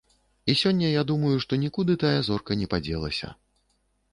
І сёння я думаю, што нікуды тая зорка не падзелася.